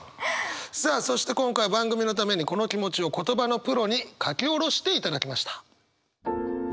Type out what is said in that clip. さあそして今回番組のためにこの気持ちを言葉のプロに書き下ろしていただきました。